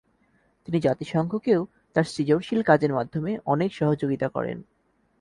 তিনি জাতিসংঘকেও তার সৃজনশীল কাজের মাধ্যমে অনেক সহযোগিতা করেন।